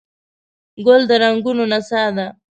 ګل د رنګونو نڅا ده.